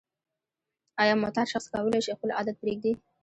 آیا معتاد شخص کولای شي چې خپل عادت پریږدي؟